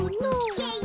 イエイ！